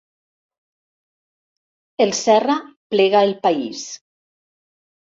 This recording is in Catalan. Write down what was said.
El Serra plega El País.